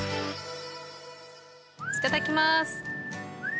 いただきまーす。